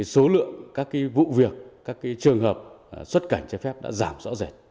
số lượng các vụ việc các trường hợp xuất cảnh trái phép đã giảm rõ rệt